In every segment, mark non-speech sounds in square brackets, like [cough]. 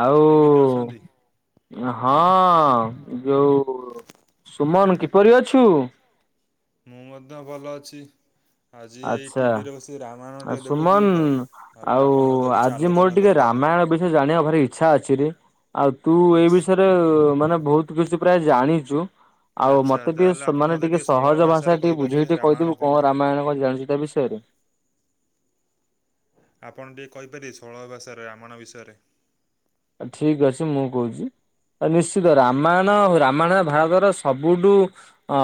ଆଉ ହଁ ଯୋଉ ସୁମନ୍ କିପରି ଅଛୁ? ମୁଁ ମଧ୍ୟ ଭଲ ଅଛି। ଆଜି ଏଇ ଟିଭିରେ ବସିିକି ରାମାୟଣ ଟିକେ ଦେଖୁଥିଲି ତ ଭାବିଲି ଆପଣଙ୍କ ସହିତ କିଛି ଆଲୋଚନା କରିଦବା। [unintelligible] ଜାଣିବାକୁ ଭାରି ଇଚ୍ଛା ଅଛି ରେ, ଆଉ ତୁ ଏଇ ବିଷୟରେ ମାନେ ବହୁତ୍ ତୁ କିଛି ତ ପ୍ରାୟ ଜାଣିଚୁ। ଆଉ ମତେ ଟିକେ ମାନେ ଟିକେ ସହଜ ଭାଷାରେ ଟିକେ ବୁଝେଇ ଟିକେ କହିଦବୁ କଣ ରାମାୟଣ ଜାଣିଚୁ ତା ବିଷୟରେ? ଆପଣ ଟିକେ କହିପାରିବେ ସରଳ ଭାଷାରେ ରାମାୟଣ ବିଷୟରେ? ଠିକ୍ ଅଛି ମୁଁ କହୁଚି। ନିଶ୍ଚିତ ରାମାୟଣ ରାମାୟଣ ଭାରତର ସବୁଠୁ ଅ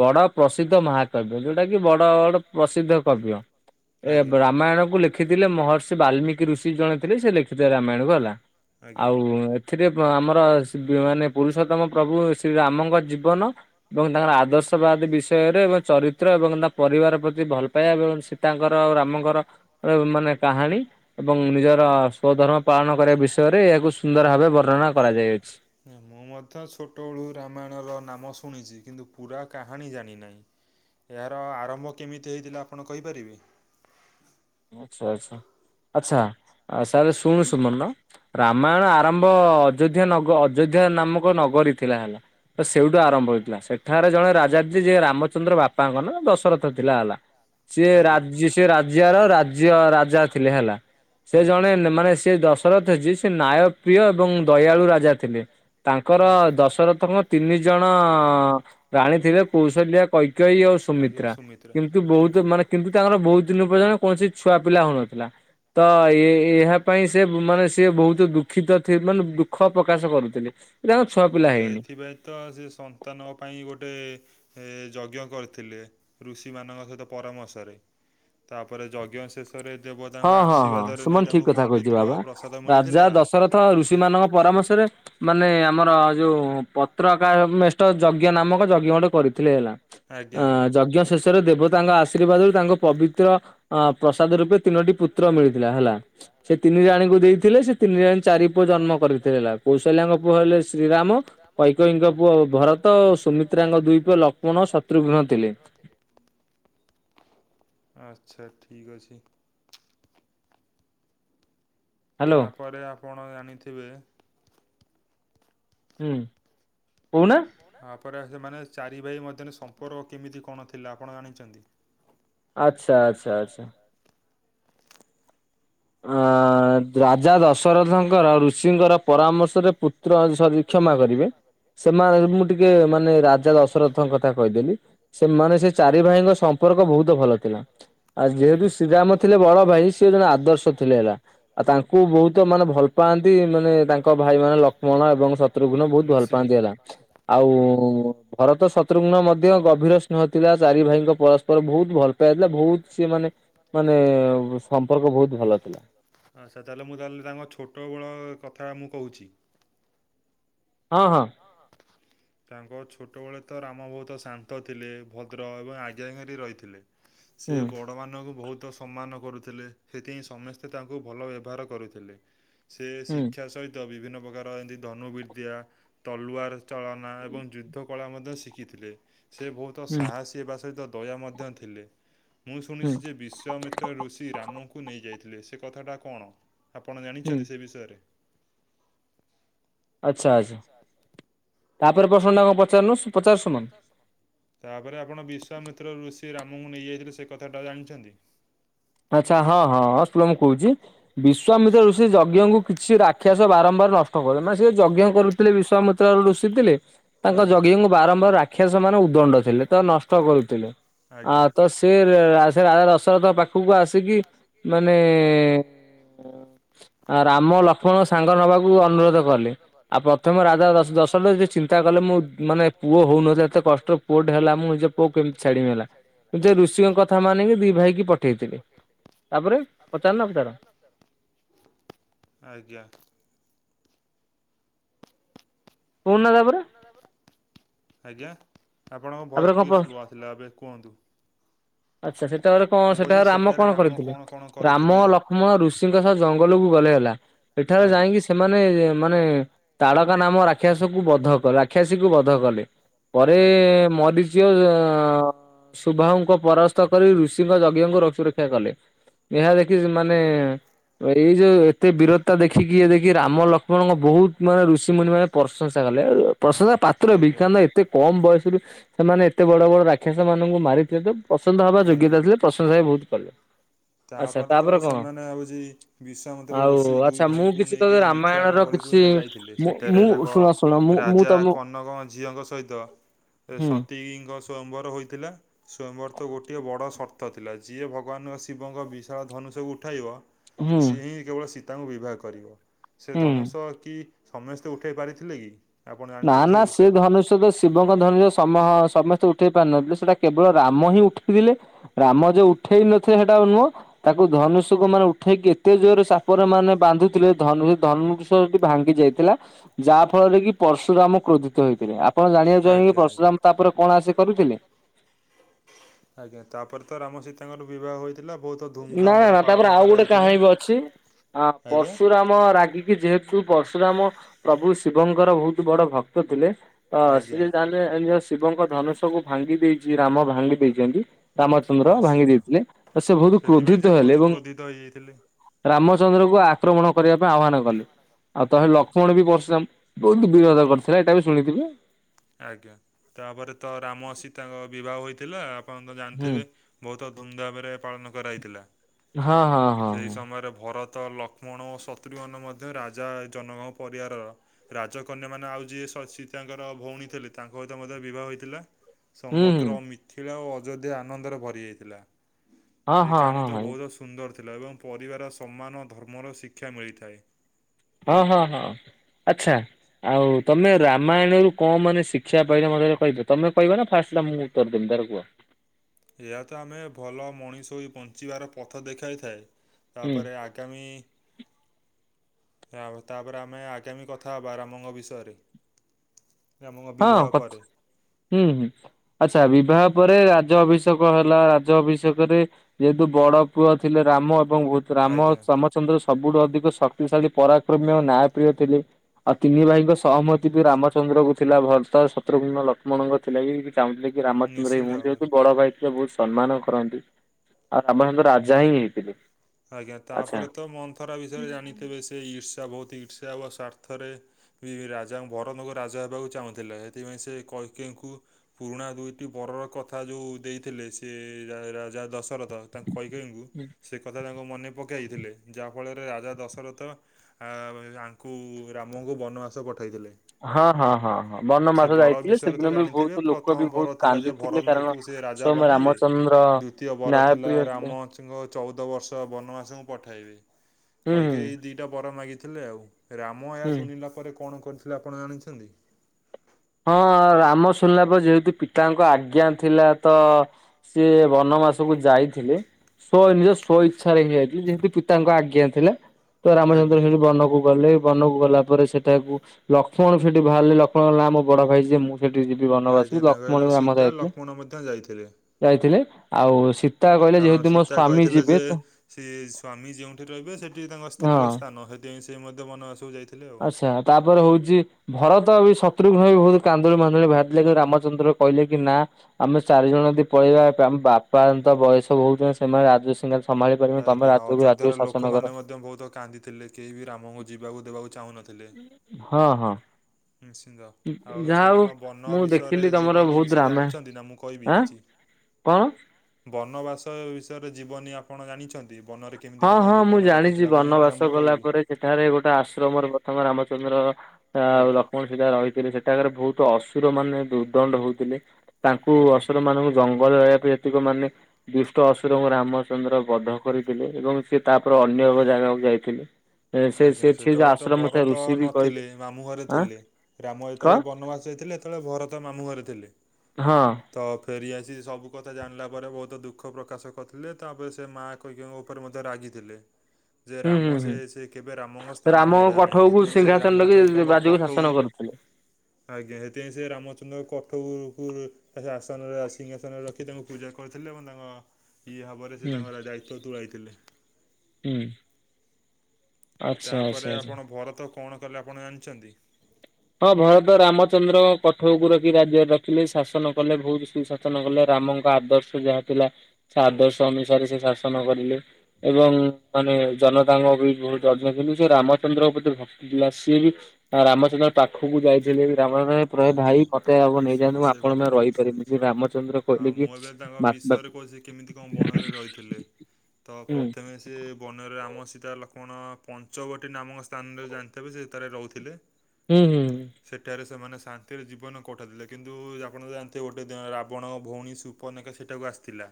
ବଡ଼ ପ୍ରସିଦ୍ଧ ମହାକବ୍ୟ ଯୋଉଟା କି ବଡ଼-ବଡ଼ ପ୍ରସିଦ୍ଧ କବ୍ୟ ଏ ରାମାୟଣକୁ ଲେଖ ଲେଖିଥିଲେ ମହର୍ଷି ବାଲ୍ମିକି ଋଷି ଜଣେ ଥିଲେ ସେ ଲେଖିଥିଲେ ରାମାୟଣ କୁ ହେଲା ଆଉ ଏଥିରେ ଆମର ମାନେ ପୁରୁଷୋତ୍ତମ ପ୍ରଭୁ ଶ୍ରୀରାମଙ୍କ ଜୀବନ ଏବଂ ତାଙ୍କର ଆଦର୍ଶ ବାଦ ବିଷୟରେ ଚରିତ୍ର ଏବଂ ତା ପରିବାର ପ୍ରତି ଭଲ ପାଇବା ଏବଂ ସୀତାଙ୍କର ଆଉ ରାମଙ୍କର ମାନେ କାହାଣୀ ଏବଂ ନିଜର ସ୍ୱଧର୍ମ ପାଳନ କରିବା ବିଷୟ ରେ ଏହାକୁ ସୁନ୍ଦର ଭାବେ ବର୍ଣ୍ଣନା କରା ଯାଇଅଛି। ମୁଁ ମଧ୍ୟ ଛୋଟବେଳୁ ରାମାୟଣର ନାମ ଶୁଣିଛି, କିନ୍ତୁ ପୁରା କାହାଣୀ ଜାଣିନାହିଁ। ଏହାର ଆରମ୍ଭ କେମିତି ହେଇଥିଲା ଆପଣ କହିପାରିବେ? ଆଚ୍ଛା ଆଚ୍ଛା ଆଚ୍ଛା ସାର୍ ଶୁଣୁ। [unintelligible] ରାମାୟଣ ଆରମ୍ଭ ଅଯୋଧ୍ୟା ନଗ ଅଯୋଧ୍ୟା ନାମକ ନଗରୀ ଥିଲା ହେଲା। ତ ସେଇଠୁ ଆରମ୍ଭ ହେଇଥିଲା। ସେଠାରେ ଜଣେ ରାଜା ଯିଏ ରାମଚନ୍ଦ୍ର ବାପାଙ୍କ ନାଁ ଦଶରଥ ଥିଲା ହେଲା। ସିଏ ରାଜ୍ୟ ସେ ରାଜ୍ୟ ର ରାଜ୍ୟ ରାଜା ଥିଲେ ହେଲା। ସେ ଜଣେ ମାନେ ସେ ଦଶରଥ ଯିଏ ସେ ନ୍ୟାୟପ୍ରିୟ ଏବଂ ଦୟାଳୁ ରାଜା ଥିଲେ। ତାଙ୍କର ଦଶରଥଙ୍କ ତିନି ଜଣ ରାଣୀ ଥିବେ କୌଶଲ୍ୟା, କୈକେୟୀ ଆଉ ସୁମିତ୍ରା। କିନ୍ତୁ ବହୁତ ମାନେ କିନ୍ତୁ ତାଙ୍କର ବହୁତ ଦିନ ପର୍ଯ୍ୟନ୍ତ କୌଣସି ଛୁଆ ପିଲା ହଉନଥିଲା। ତ ଏହା ପାଇଁ ସେ ମାନେ ସିଏ ବହୁତ ଦୁଃଖିତ ମାନେ ଦୁଃଖ ପ୍ରକାଶ କରୁଥିଲେ। ଆଜ୍ଞା ଏଥିପାଇଁ ତ ସେ ସନ୍ତାନଙ୍କ ପାଇଁ ଗୋଟେ ଏ ଯଜ୍ଞ କରିଥିଲେ ଋଷିମାନଙ୍କ ସହିତ ପରାମର୍ଶରେ। ତାପରେ ଯଜ୍ଞ ଶେଷ ରେ ଦେବତାଙ୍କ ଆଶୀର୍ବାଦରେ ନେଇ ତାଙ୍କୁ ପବିତ୍ର ପ୍ରସାଦ ମିଳିଥିଲା ସେ ପରାମର୍ଶରେ ମାନେ ଆମର ଯୋଉ ପତ୍ର [unintelligible] ଯଜ୍ଞ ନାମକ ଯଜ୍ଞ ଗୋଟେ କରିଥିଲେ ହେଲା। ଅ ଯଜ୍ଞ ଶେଷରେ ଦେବତାଙ୍କ ଆ ଆଶୀର୍ବାଦରୁ ତାଙ୍କୁ ପବିତ୍ର ଅ ପ୍ରସାଦ ରୂପେ ତିନୋଟି ପୁତ୍ର ମିଳିଥିଲା ହେଲା ସେ ତିନି ରାଣୀଙ୍କୁ ଦେଇଥିଲେ ସେ ତିନି ରାଣୀ ଚାରି ପୁଅ ଜନ୍ମ କରିଥିଲେ ହେଲା। କୌଶଲ୍ୟାଙ୍କ ପୁଅ ହେଲେ ଶ୍ରୀରାମ, କୈକୀଙ୍କ ପୁଅ ଭରତ ଓ ସୁମିତ୍ରାଙ୍କ ଦୁଇ ପୁଅ ଲକ୍ଷ୍ମଣ ଓଃ ଶ ଶତୃଘ୍ନ ଥିଲେ। ଆଚ୍ଛା ଠିକ୍ ଅଛି। ତାପରେ ଆପଣ ଜାଣିଥିବେ ହୁଁ କହୁନା। ତାପରେ ସେମାନେ ଚାରି ଭାଇ ମଧ୍ୟରେ ସମ୍ପର୍କ କେମିତି କଣ ଥିଲା ଆପଣ ଜାଣିଛନ୍ତି? ଆଚ୍ଛା ଆଚ୍ଛା ଆଚ୍ଛା। ଅ ରାଜା ଦଶରଥଙ୍କର ଋଷିଙ୍କର ପରାମର୍ଶରେ ପୁତ୍ର କ୍ଷମା କରିବେ ସେମାନେ ମୁଁ ଟିକେ ମାନେ ରାଜା ଦଶରଥଙ୍କ କଥା କହିଦେଲି। ସେମାନେ ସେ ଚାରି ଭାଇଙ୍କ ସମ୍ପର୍କ ବହୁତ ଭଲ ଥିଲା। ଆ ଯେହେତୁ ଶ୍ରୀରାମ ଥିଲେ ବଡ଼ ଭାଇ ସିଏ ଜଣେ ଆଦର୍ଶ ଥିଲେ ହେଲା, ଆଉ ତାଙ୍କୁ ବହୁତ ମାନେ ଭଲ ପାଆନ୍ତି ମାନେ ତାଙ୍କ ଭାଇ ମାନେ ଲଷ୍ମଣ ଏବଂ ଶତ୍ରୁଘ୍ନ ବହୁତ ଭଲ ପାଆନ୍ତି ହେଲା। ଆଉ ଭରତ, ଶତ୍ରୁଘ୍ନ ମଧ୍ୟ ଗଭୀର ସ୍ନେହ ଥିଲା, ଚାରି ଭାଇଙ୍କ ପରସ୍ପର ବହୁତ ଭଲ ପାଇବା ଥିଲା ବହୁତ ସିଏ ମାନେ ମାନେ ସମ୍ପର୍କ ବହୁତ ଭଲ। ଆଚ୍ଛା ତାହେଲେ ମୁଁ ତାହେଲେ ତାଙ୍କ ଛୋଟ ବେଳ କଥା ମୁଁ କହୁଛି। ହଁ ହଁ। ହଁ ହଁ। ତାଙ୍କ ଛୋଟବେଳେ ତ ରାମ ବହୁତ ଶାନ୍ତ ଥିଲେ, ଭଦ୍ର ଏବଂ ଆଜ୍ଞାକାରୀ ରହିଥିଲେ। ସିଏ ବ ବଡ଼ମାନଙ୍କୁ ବହୁତ ସମ୍ମାନ କରୁଥିଲେ, ସେଥିପାଇଁ ସମସ୍ତେ ତାଙ୍କୁ ଭଲ ବ୍ୟବହାର କରୁଥିଲେ। ସେ ଶିକ୍ଷା ସହିତ ବିଭିନ୍ନ ପ୍ରକାର ଏମିତି ଧନୁ ବିଦ୍ୟା, ତଲୁଆର ଚାଳନା ଏବଂ ଯୁଦ୍ଧ କଳା ମଧ୍ୟ ଶିଖିଥିଲେ। ସେ ବହୁତ ସାହସୀ ବା ସହିତ ଦୟା ମଧ୍ୟ ଥିଲେ। ମୁଁ ଶୁଣିଛି ଯେ ବିଶ୍ୱାମି ତ୍ର ଋଷି ରାମ ଙ୍କୁ ନେଇ ଯାଇଥିଲେ। ସେ କଥା ଟା କଣ? ଆପଣ ଜାଣିଛନ୍ତି ସେ ବିଷୟରେ? ଆଚ୍ଛା ଆଚ୍ଛା। ତାପରେ ପ୍ରଶ୍ନ ଟା କଣ ପଚାରୁନୁ ପଚାର ସୁମନ। ତାପରେ ଆପଣ ବିଶ୍ଵାମିତ୍ର ଋଷି ରାମ ଙ୍କୁ ନେଇ ଯାଇଥିଲେ ସେ କଥା ଟା ଜାଣିଛନ୍ତି? ଆଛା ହଁ ହଁ ହଁ ଶୁଳ ମୁଁ କହୁଚି ବିଶ୍ଵାମିତ ଋଷି ଯଜ୍ଞଙ୍କୁ କିଛି ରା ଖ୍ୟାସ ବାରମ୍ବାର ନଷ୍ଟ କଲେ ମାନେ ସେ ଯଜ୍ଞ କରୁଥିଲେ ବିଶ୍ୱ ମୁତ୍ରା ରୁଷିଥିଲେ ତାଙ୍କ ଯଜ୍ଞକୁ ବାରମ୍ବାର ରାକ୍ଷ ମାନେ ଉଦଣ୍ଡ ଥିଲେ ତ ନଷ୍ଟ କରୁଥିଲେ। ଆତ ସ ସେ ରେ ରା ସେ ରାଜା ଦସରଥ ପା ଖୁକୁ ଆସିକି ମାନେ ରାମ ଲକ୍ ଫଣ ସାଙ୍ଗ ନେବାକୁ ଅନୁରୋଧ କଲେ ଆ ପ୍ରଥମେ ରାଦା ଦସ୍ ଦଶଟ ଜିଦି ଚିନ୍ତା କଲେ ମୁଁ ମାନେ ପୁଅ ହଉନଥିଲା ଏତେ କଷ୍ଟ ପୁଅ ଟେ ହେଲା ମୁଁ ଯେ ପୁଅ କେମିତି ଛାଡିିବି ହେଲା ଯେ ଋଷିଙ୍କ କ ଥା ମାନିକି ଦୁଇ ଭାଇକି ପଠେଇଥିଲେ। ତାପରେ ପଚାରନ ପଚାର ଆଜ୍ଞା। କହୁନା ତାପରେ? ଆଜ୍ଞା ଆପଣଙ୍କ ଭଏସ୍ ଟିଏ ସ୍ଲୋ ଆଥିଲା ଏବେ କୁହନ୍ତୁ। ଆଛା ସେଟା ଘରେ କଁ ସେଟା ରାମ କଣ କରିଥିଲେ? ରାମ ଲକ୍ଷ୍ମଣ ଋଷ ଚିଙ୍କ ସହ ଜଙ୍ଗଲକୁ ଗଲେ ହେଲା। ଏଠାରେ ଯାଇକି ସେମାନେ ମାନେ ତାଡକା ନାମ ରାକ୍ଷା ଛକୁ ବଧ କ ରାକ୍ଷାସୀ କୁ ବଧ କଲେ ପରେ ମରିଚ ଚିଅଜା ସୁଭାଙ୍କ ପରାସ୍ତ କରି ଋଷିଙ୍କ ଯଜ୍ଞଙ୍କୁ ରକ୍ ଶୁରକ୍ଷା କଲେ। ଏହା ଦେଖି ଯୋ ମାନେ ଏଇ ଯୋଉ ଏତେ ବୀରତା ଦେଖିକି ଇଏ ଦେଖି ରାମ ଲକ୍ଷ୍ମଣଙ୍କ ବହୁତ ମାନେ ଋଷିମୁନି ମାନେ ପ୍ରଶଂସା କଲେ। ପ୍ରସସା ପାତ୍ରବି କାଇଁନା ଏତେ କମ ବୟସରୁୁ ସେମାନେ ଏତେ ବଡ ବଡ ରାକ୍ଷସ ମାନଙ୍କୁ ମାରିଥିଲେ ତ ପସନ୍ଦ ହବା ଯୋଗ୍ୟତା ଥିଲେ ପ୍ରଶଂସା ବି ବହୁତ କଲେ। ତାପରେ ତ ସେମାନେ ହଉଚି ବିଶଵାମନ୍ତ୍ର ରଋଷି ଦୁଇ ଭାଇଙ୍କୁ ନେଇକି ମିଥିଆ ନଗଳିକୁ ନେ ଯାଇଥି ଥିଲେ ସେଠାରେ ତାଙ୍କ ରାଜା କନକ ଝିଅଙ୍କ ସହିତ ଏରେ ସତୀଇ ଙ୍କ ସ୍ଵୟମ୍ବର ହୋଇଥିଲା ସ୍ଵୟମ୍ବର ତ ଗୋଟିଏ ବଡ ସର୍ତ୍ତ ଥିଲା ଯିଏ ଭଗବାନ ଅସି ଶିବଙ୍କ ବିଶାଳ ଧନୁଷକୁ ଉଠାଇବ ସିଏ ହିଁ କେବଳ ସୀତାଙ୍କୁ ବିବାହ କରିବ। ସେ ଧନୁଷ କି ସମସ୍ତେ ଉଠାଇ ପାରିଥିଲେ କି ଆପଣ ଜାଣିଚକି ସେ ବିଷୟରେ? ତୋତ ଶିବଙ୍କ ଧନୁଜ ସମହ ସମସ୍ତେ ଉଠେଇ ପାରୁନଥିଲେ ସେଟା କେବଳ ରାମ ହିଁ ଉଠିଥିଲେ ରାମ ଯୋଉ ଉଠେଇ ନଥିଲେ ହେଟା ନୁହଁ ତାକୁ ଧନୁଷକୁ ମାନେ ଉଠେଇକି ଏତେ ଜୋରେ ସାପରେ ମାନେ ବାନ୍ଧୁଥିଲେ ଧନୁ ଧନୁସ ସଟି ଭାଙ୍ଗି ଯାଇଥିଲା ଯାହା ଫଳରେ କି ପରଶୁରାମ କ୍ରୋଧିତ ହୋଇଥିଲେ ଆପଣ ଜାଣିବାକୁ ଚହିଁକି ପରଶୁରାମ ତାପରେ କଣ ଆସି କରୁଥିଲେ? ଆଜ୍ଞା ତାପରେ ତ ରାମ ସୀତାଙ୍କର ବିବାହ ହୋଇ ଥିଲା ବହୁତ ନା ନା ତାପରେ ଆଉ ଗୋଟେ କାହାଣୀ ବି ଅଛି ଆ ପର୍ଶୁରାମ ମ ରାଗିକି ଯେହେତୁ ପର୍ଶୁରାମ ପ୍ରଭୁ ଶିବଙ୍କର ବହୁତ ବଡ ଭକ୍ତ ଥିଲେ। ତ ସିଏ ଜାଣିଲେ ଏଯୋ ଶିବଙ୍କ ଧନୁଷକୁ ଭାଙ୍ଗି ଦେଇଚି ରାମ ଭାଙ୍ଗି ଦେଇଚନ୍ତି। ରାମଚନ୍ଦ୍ର ଭାଙ୍ଗି ଦେଇଥିଲେ ତ ସେ ବହୁତ କ୍ରୋଧିତ ହେଲେ। ଏବଂ ରାମଚନ୍ଦ୍ରଙ୍କୁ ଆକ୍ରମଣ କରିବା ପାଇଁ ଆହ୍ୱାନ କଲେ। ଆଉ ତମେ ଲକ୍ଷ୍ମଣ ବି ପର୍ଶୁରାମ ବହୁତ ବିରୋଧ କରିଥିଲେ ଏଟା ବି ଶୁଣିଥିବେ? ଆଜ୍ଞା ତାପରେ ତ ରାମ ସୀତାଙ୍କ ବିବାହ ହୋଇଥିଲା ଆପଣ ତ ଜାଣିଥିବେ? ବହୁତ ଧୁମଧାମରେ ପାଳନ କରାହୋଇଥିଲା। ସେହି ସମୟରେ ଭର ତ ଲକ୍ଷ୍ମଣ ଓ ଶତ୍ରୁଘନ ମଧ୍ୟ ରାଜା ଜନଗ ପରିବାରର ରାଜକନ୍ୟା ମାନେ ଆଉ ଯିଏ ସ ସିତାଙ୍କର ଭଉଣୀ ଥିଲି ତାଙ୍କ ହିତ ମଧ୍ୟ ବିବାହ ହୋଇଥିଲା। ସମଗ୍ର ମି ଥିଳା ଓ ଅଯୋଧ୍ୟା ଆନନ୍ଦରେ ଭରିଯାଇଥିଲା ଏଇ କାଣୀ ତ ବହୁଧ ସୁନ୍ଦର ଥିଲା। ଏବଂ ପରିବାର ସମାନ ଧର୍ମର ଶିକ୍ଷା ମିଳିଥାଏ। ହଁ ହଁ ହଁ ଆଛା। ଆଉ ତମେ ରାମାୟଣରୁ କଁ ମାନେ ଶିକ୍ଷା ପାଇଲ ମତେ ଟିକେ କହିବେ? ତମେ କହିବ ନା ଫାଷ୍ଟ ଟା ମୁଁ ତର ଦେମି ତାର କୁଅ? ଏହା ତ ଆମେ ଭଲ ମଣିଷ ହୋଇ ବଞ୍ଚିବାର ପଥ ଦେଖାଇଥାଏ। ତାପରେ ଆଗ ଗାମୀ। ଆଉ ତାପରେ ଆମେ ଆଗାମୀ କଥା ହେବା ରାମଙ୍କ ବିଷୟରେ। ହଁ କ, ହୁଁ ହୁଁ। ଆଚ୍ଛା ବିବାହ ପରେ ରାଜ ଅଭିଷେକ ହେଲା। ରାଜ ଅଭିଷେକରେ ଯେହେତୁ ବଡ ପୁଅ ଥିଲେ ରାମ ଏବଂ ଭତ ରାମ ସମ ଚନ୍ଦ୍ର ସବୁଠୁ ଅଧିକ ଶକ୍ତିଶାଳୀ ପରାକ୍ରମି ନ୍ୟାୟପ୍ରିୟ ଥିଲେ। ଆଉ ତିନି ଭାଇଙ୍କ ସହମତି ବି ରାମଚନ୍ଦ୍ର ଙ୍କୁ ଥିଲା ଭରତ ଶତ୍ରୁଘୁ୍ନ ଲକ୍ଷ୍ମଣଙ୍କ ଥିଲା କି ଚାହୁଁଥିଲେ କି ରାମଚନ୍ଦ୍ର ହିଁ ହୁଅନ୍ତୁ। ଯେହେତ ବଡ଼ ଭାଇ ସେ ବହୁତ ସମ୍ମାନ କରନ୍ତି, ଆଉ ରାମଚନ୍ଦ୍ର ରାଜା ହିଁ ହେଇଥିଲେ। ଆଜ୍ଞା ତାପରେ ତ ମନ୍ଥରା ବିଷୟରେ ଜାଣିଥିବେ। ସେ ଇର୍ଷା ବହୁତ ଇର୍ଷା ବା ସ୍ୱାର୍ଥରେ ବି ରାଜା ଭରତଙ୍କୁ ରାଜା ହେବାକୁ ଚାହୁଁଥିଲେ ସେଥିପାଇଁ ସେ କୈକେୟୀ ଙ୍କୁ ପୁରୁଣା ଦୁଇଟି ବରର କଥା ଯୋଉ ଦେଇଥିଲେ ସିଏ ରାଜା ଦଶରଥ ତାଙ୍କୁ କୈକେୟୀ ଙ୍କୁ ହଁ [inaudible] କଥା ତାଙ୍କୁ ମନେ ପକାଇଥିଲେ, ଯାହାଫଳରେ ରାଜା ଦଶରଥ ଆ ତାଙ୍କୁ ରାମଙ୍କୁ ବନବାସ ପଠାଇଥିଲେ। ହଁ ହଁ ହଁ ହଁ ବନବାସ ଯାଇଥିଲେ। ସେଦିନ ବି ବହୁତ ଲୋକ ବି ବହୁତ କାନ୍ଦି ଭରତ କୁ ସେ ରାଜା ବନେଇବେ ଦ୍ଵିତୀୟ ବର ଥିଲା ରାମଚ ନ୍ଦ୍ର ଙ୍କୁ ଚଉଦ ବର୍ଷ ବନବାସଙ୍କୁ ପଠାଇବେ କୈକେୟୀ ଦୁଇଟା ବର ମାଗିଥିଲେ ଆଉ। ରାମ ଏହା ଶୁଣିଲା ପରେ କଣ କରିଥିଲେ ଆପଣ ଜାଣିଛନ୍ତି। ହଁ ରାମ ଶୁଣିଲା ପରେ ଯେହେତୁ ପିତାଙ୍କ ଆଜ୍ଞା ଥିଲା ତ ସିଏ ବନବାସ। ସକୁ ଯାଇଥିଲେ ସ୍ଵ ସ୍ୱଇଚ୍ଛାରେ ହିଁ ଯାଇଥିଲେ ଯେହେତୁ ପିତାଙ୍କ ଆଜ୍ଞା ଥିଲା। ତ ରାମଚନ୍ଦ୍ର ସେଇଠି ବନକୁ ଗଲେ। ବନକୁ ଗଲା ପରେ। ସେଠାକୁ ଲକ୍ଷ୍ମଣ ସେଠି ବାହାରିଲେ ଲକ୍ଷ୍ଣଙ୍କ ନାଁ ମୋ ବଡ ଭାଇ ଯିବେ ମୁଁ ସେଠି ଯିବି ବନବାସ ଲକ୍ଷ୍ମଣ ବି ରାମ ସ ଯାଇଥିଲେ। ଯାଇଥିଲେ, ଆଉ ସୀତା କହିଲେ ଯେହେତୁ ମୋ ସ୍ଵାମୀ ଯିବେ ତ ସ୍ୱାମୀ ଯେଉଁଠି ରହିବେ ସେଠି ତାଙ୍କ ସ୍ତ୍ରୀର ସ୍ଥାନ। ସେଥିପାଇଁ ସେ ମଧ୍ୟ ବନବାସକୁ ଯାଇଥି ଆଚ୍ଛା ତାପରେ ହଉଛି। ଭରତ ଆଉ ଶତ୍ରୁଘ୍ନ ବି ବହୁତ କାନ୍ଦୁଳି ମାନ୍ଦୁଳି ବାହାରିଲେ କି ରାମଚନ୍ଦ୍ର କହିଲେ କି ନା ଆମେ ଚାରି ଜଣ ଯଦି ପଳେଇବା ଆମ ବାପା ତ ବୟସ ହଉଛନ୍ତି ସେମାନେ ରାଜ ସିଂହ ଆ ଆଜ୍ଞା ଅଯୋଧ୍ୟାର ଲୋକମାନେ ମଧ୍ୟ ବହୁତ କାନ୍ଦିଥିଲେ। କେହି ବି ରାମକୁ ଯିବାକୁ ଦେବାକୁ ଚାହୁଁନଥିଲେ। [inaudible] ଯାହା ହଉ ମୁଁ ଦେଖିଲି ତମର ବହୁତ ରାମାୟ ଆଁ। କଣ? ବନବାସ ବିଷୟରେ ଜୀବନୀ ଆପଣ ଜାଣିଛନ୍ତି? ବନରେ କେମିତି କଣ ଜୀବନ ଘଟିଥିଲା ମୁଁ ନା ମୁଁ କହିବି? ସେଠାରେ ଗୋଟେ ଆଶ୍ରମରେ ପ୍ରଥମ ରାମଚନ୍ଦ୍ର ଆ ଲକ୍ଷ୍ମଣ ଗାରେ ରହିଥିଲେ ସେଠାକାର ବହୁତ ଅସୁର ମାନେ ଦୁର୍ଦଣ୍ଡ ହଉଥିଲେ ତାଙ୍କୁ ଅସୁର ମାନ କୁ ଜଙ୍ଗଲ ରହିବା ପାଇଁ ଯେତିକ ମାନେ ଦୁଷ୍ଟ ଅସୁର ଏବଂ ରାମଚନ୍ଦ୍ର ବଧ କରି ଥିଲେ ଏବଂ ସିଏ ତାପରେ ଅନ୍ୟ ଜାଗାକୁ ଯାଇଥିଲେ। ଆଜ୍ଞା ସେତେବେଳେ ତ ଭରତ ନଥିଲେ, ମାମୁଁ ଘରେ ଥିଲେ, ରାମ ଯେତେବେଳେ ବନବାସ ଯାଇଥିଲେ। ସେତେବେଳେ ଭରତ ମାମୁଁ ଘରେ ଥିଲେ। ହଁ। ତ ଫେରିଆସି ସବୁ କଥା ଜାଣିଲା ପରେ ବହୁତ ଦୁଃଖ ପ୍ରକାଶ କରିଥିଲେ ତାପରେ ସେ ମାଆ କ ଇଙ୍କ ଉପରେ ମଧ୍ୟ ରାଗିଥିଲେ, ଯେ ରାମ ସେ ସେ କେବେ ରାମଙ୍କ ସ୍ଥାନ ନେବା ନାହିଁ। ସେଥିପାଇଁ ସେ ରାମଚନ୍ଦ୍ରଙ୍କ କଠଉ ଆଜ୍ଞା ସେଥିପାଇଁ ସେ ରାମଚନ୍ଦ୍ର କଠଉ କୁ ତା ଆସନରେ ସିଂହାସନରେ ରଖି ତାଙ୍କୁ ପୂଜା କରିଥିଲେ ଏବଂ ତାଙ୍କ ଇଏ ହବ। ତାପରେ ସେ ତାଙ୍କର ଦାୟିତ୍ୱ ତୁଳାଇଥିଲେ। [inaudible] ତାପରେ ଆପଣ ଭରତ କଣ କଲେ ଆପଣ ଜାଣିଛନ୍ତି? ହଁ ଭରତ ରାମଚନ୍ଦ୍ରଙ୍କ କଠଉକୁ ରଖି ରାଜ୍ୟରେ ରଖିଲେ ଶାସନ କଲେ ବହୁତ ସୁଶା ଶାସନ କଲେ ରାମଙ୍କ ଆଦର୍ଶ ଯାହା ଥିଲା ସେ ଆଦର୍ଶ ଅନୁସାରେ ସେ ଶାସନ କରିଲେ। ଏବଂ ମାନେ ଜନତାଙ୍କ ବି ବହୁତ ଅଧିକ କିନ୍ତୁ ସେ ରାମଚନ୍ଦ୍ର ପ୍ରତି ଭ ସିଏ ବି ରାମଚନ୍ଦ୍ର ପାଖକୁ ଯାଇଥିଲେ ବି ରାମଚନ୍ଦ୍ର ପ୍ରୟ ଭାଇ ମତେ ଆଗ ନେଇଯାଆନ୍ତୁ ମୁ ଆପଣ ବିନା ରହିପାରିବିନି କି ରାମଚନ୍ଦ୍ର କହିଲେ କି ମା [unintelligible] କେମିତି କଣ ବଣରେ ରହିଥିଲେ ତ ପ୍ରଥମେ ସେ ବନରେ ରାମ ସୀତା ଲକ୍ଷ୍ମଣ ପଞ୍ଚବଟୀ ନାମକ ସ୍ଥାନରେ ଜାଣିଥିବେ ସେ ସେଥିରେ ରହୁଥିଲେ। ହୁଁ ହୁଁ। ସେଠାରେ ସେମାନେ ଶାନ୍ତିର ଜୀବନ କଟାଉଥିଲେ କିନ୍ତୁ ଆପଣ ଜାଣିଥିବେ ଗୋଟେ ଦିନ ରାବଣ ଭଉଣୀ ସୁର୍ପନଖା ସେଇଟାକୁ ଆସିଥିଲା।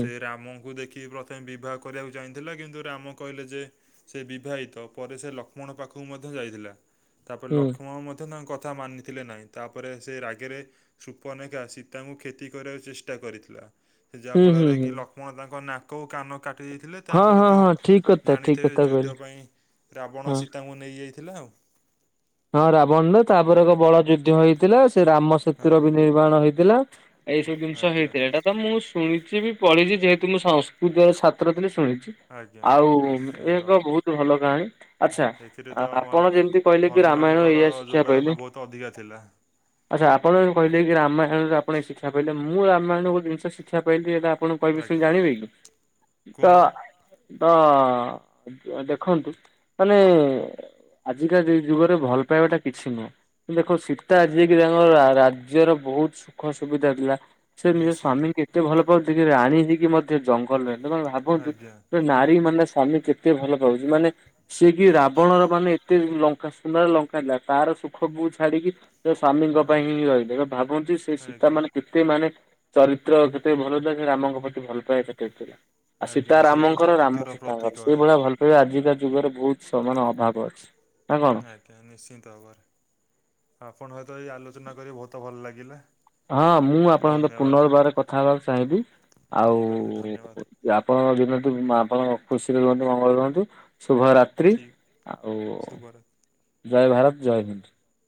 ସେ ରାମଙ୍କୁ ଦେଖି ପ୍ରଥମେ ବିବାହ କରିବାକୁ ଚାହିଁଥିଲା କିନ୍ତୁ ରାମ କହିଲେ ଯେ ସେ ବିବାହିତ ପରେ ସେ ଲକ୍ଷ୍ମଣ ପାଖକୁ ମଧ୍ୟ ଯାଇଥିଲା। ତାପରେ ଲକ୍ଷ୍ମଣ ମଧ୍ୟ ତାଙ୍କ କଥା ମାନିଥିଲେ ନାହିଁ ତାପରେ ସେ ରାଗେରେ ସୁର୍ପନେଖା ସୀତାଙ୍କୁ କ୍ଷତି କରିବାକୁ ଚେଷ୍ଟା କରିଥିଲା। ଯା ଫଳରେ କି ଲକ୍ଷ୍ମଣ ତାଙ୍କ ନାକ ଓ କାନ କା ପଠାଇଦେଇଥିଲେ ତାପରେ ତ ଜାଣିଥିବେ ଯୁଦ୍ଧ ପାଇଁ ରାବଣ ସୀତାଙ୍କୁ ନେଇ ଯାଇ ଥିଲା ଆଉ। ହଁ ରାବଣର ତାପରେ ଏକ ବଡ ଯୁଦ୍ଧ ହେଇଥିଲା ସେ ରାମ ସେତୁର ବି ନିର୍ମାଣ ହେଇଥିଲା। ଏଇ ସବୁ ଜିନିଷ ହେଇଥିଲା ଏଇଟା ତ ମୁଁ ଶୁଣିଛି ବି ପଢିଛି ଯେହେତୁ ମୁଁ ସଂସ୍କୃତର ଛାତ୍ର ଥିଲି ଶୁଣିଛି। ଆଉ ଇ ଏକ ବହୁତ ଭଲ କାହାଣୀ ଆଚ୍ଛା ଆପଣ ଯେମିତି କହିଲେ ହନୁମାନଙ୍କର ଯୋଗଦାନ ବହୁତ ଅଧିକା ଥିଲା। ଆଚ୍ଛା ଆପଣ ଏବେ କହିଲେ କି ରାମାୟଣରୁ ଆପଣ ଏ ଶିକ୍ଷା ପାଇଲେ ମୁଁ ରାମାୟଣ ଗୋଟ ଜିନିଷ ଶିକ୍ଷା ପାଇଲି ହେଟା ଆପଣ କହିବି ସେ ଜାଣିବେ କି ତ ତ ଦେଖନ୍ତୁ ମାନେ ଆଜିକା ଦେ ଯୁଗରେ ଭଲ ପାଇବାଟା କିଛି ନୁହଁ। ଦେଖ ସୀତା ଯିଏକି ତାଙ୍କର ରାଜ୍ୟର ବହୁତ ସୁଖ ସୁବିଧାରେ ଥିଲା। ସେ ନିଜ ସ୍ଵାମୀଙ୍କୁ ଏତେ ଭଲ ପାଉଛି କି ରାଣୀ ହେଇକି ମଧ୍ୟ ଜଙ୍ଗଲରେ ଦେଖ ଭାବନ୍ତୁ ଗୋଟେ ନାରୀ ମାନେ ସ୍ୱାମୀ କେ ଏତେ ଭଲ ପାଉଛି ମାନେ ସିଏ କି ରାବଣର ମାନେ ଏତେ ଲ ଙ୍କା ସୁନାର ଲଙ୍କା ଥିଲା ତାର ସୁଖକୁ ଛାଡିକି ସେ ସ୍ଵାମୀଙ୍କ ପାଇଁ ହିଁ ରହିଲେ ଏବେ ଭାବନ୍ତୁ ସେ ସୀତାମାନେ କେ କେତେ ମାନେ ଚରିତ୍ର କେତେ ଭଲ ଥିଲା ସେ ରାମଙ୍କ ପ୍ରତି ଭଲ ପାଏ କେତେ ଥିଲା। ଆ ସୀତ ରାମଙ୍କର ରାମ ସୀତାଙ୍କର ସେଇଭଳିଆ ଭଲ ପାଇବା ଆଜିକା ଯୁଗରେ ବହୁତ ମାନେ ଅଭାବ ଅଛି। ଆଜ୍ଞା ନିଶ୍ଚିନ୍ତ ଭାବରେ ଆପଣଙ୍କ ସତ ଏଇ ଆଲୋଚନା କରି ବହୁତ ଭଲ ଲାଗିଲା। ହଁ ମୁଁ ଆପଣଙ୍କ ସହିତ ପୁନରର୍ବାର କଥା ହେବାକୁ ଚାହିଁବି ଆଉ ଆପଣଙ୍କ ଦିନଟି ଆପଣ ଖୁସିରେ ରୁହନ୍ତୁ ମଙ୍ଗଳରେ ରୁହନ୍ତୁ। ଶୁଭରାତ୍ରି ଆଉ ଜୟ ଭାରତ ଜୟ ହିନ୍ଦ